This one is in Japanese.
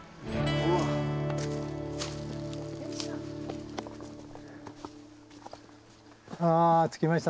おっ着きました。